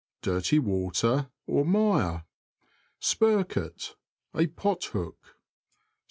— Dirty water, or mire. Spirket. — A pothook.